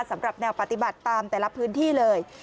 สำหรับแนวปฏิบัติตามแต่ละพื้นที่เลย